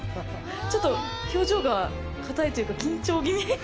ちょっと表情がかたいというか緊張ぎみ。